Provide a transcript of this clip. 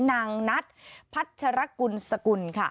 นางนัตรับพัชรกรรณสกล